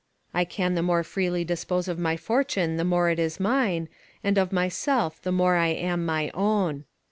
I can the more freely dispose of my fortune the more it is mine, and of myself the more I am my own.